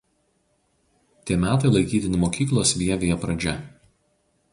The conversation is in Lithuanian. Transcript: Tie metai laikytini mokyklos Vievyje pradžia.